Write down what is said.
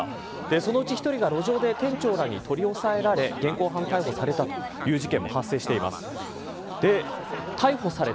そのうち１人が路上で店長らに取り押さえられ、現行犯逮捕されたという事件も発生しています。